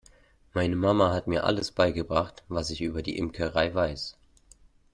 Meine Mama hat mir alles beigebracht, was ich über die Imkerei weiß.